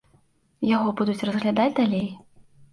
Яго будуць разглядаць далей.